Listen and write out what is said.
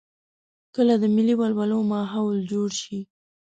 کله د ملي ولولو ماحول جوړ شي.